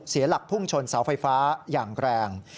เสียหลักพุ่งชนเสาไฟฟ้าอย่างแรง